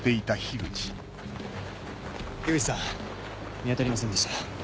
口さん見当たりませんでした。